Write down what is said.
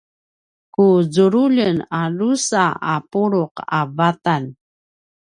ku zululjen a drusa a pulu’ a vatan